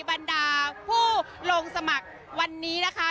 บรรดาผู้ลงสมัครวันนี้นะคะ